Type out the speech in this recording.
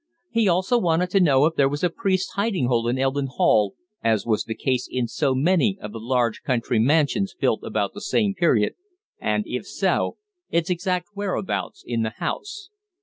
He also wanted to know if there were a priests' hiding hole in Eldon Hall, as was the case in so many of the large country mansions built about the same period, and, if so, its exact whereabouts in the house.